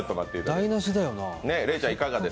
台なしだよなあ。